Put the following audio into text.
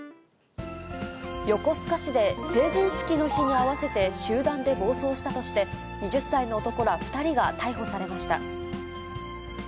横須賀市で成人式の日に合わせて集団で暴走したとして、２０歳の男ら２人が逮捕されました。